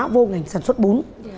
vô ngành sản xuất bún